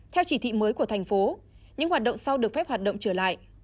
theo chỉ thị mới của thành phố những hoạt động sau được phép hoạt động trở lại